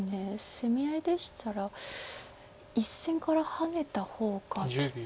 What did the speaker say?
攻め合いでしたら１線からハネた方が。